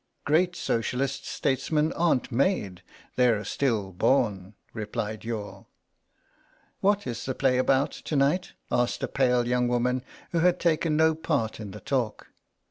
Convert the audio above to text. "Great Socialist statesmen aren't made, they're stillborn," replied Youghal. "What is the play about to night?" asked a pale young woman who had taken no part in the talk.